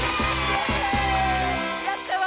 やったわ！